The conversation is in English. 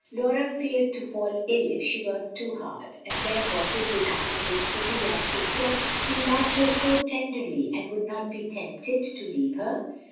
Laura feared to fall ill if she worked too hard, and then what would become of this pretty young sister who loved her so tenderly and would not be tempted to leave her?